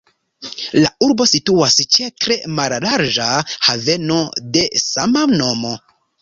La urbo situas ĉe tre mallarĝa haveno de sama nomo.